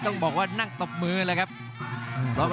รับทราบบรรดาศักดิ์